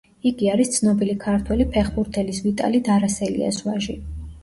იგი არის ცნობილი ქართველი ფეხბურთელის, ვიტალი დარასელიას ვაჟი.